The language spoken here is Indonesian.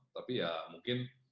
tapi ya mungkin